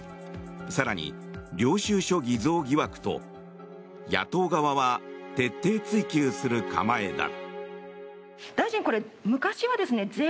更に領収書偽造疑惑と野党側は徹底追及する構えだ。